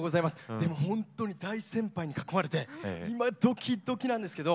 でもほんとに大先輩に囲まれて今ドキドキなんですけど。